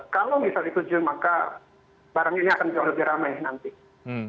kalau bisa disetujui maka barangnya ini akan jauh lebih ramai nanti